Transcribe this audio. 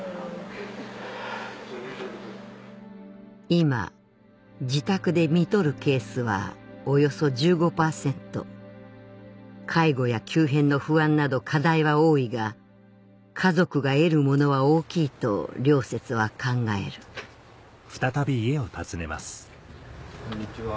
今自宅で看取るケースはおよそ１５％介護や急変の不安など課題は多いが家族が得るものは大きいと良雪は考えるこんにちは。